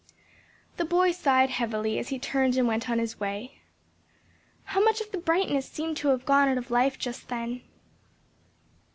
The boy sighed heavily as he turned and went on his way. How much of the brightness seemed to have gone out of life just then.